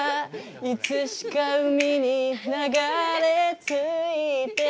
「いつしか海に流れ着いて光って」